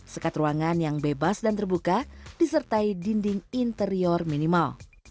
sekat ruangan yang bebas dan terbuka disertai dinding interior minimal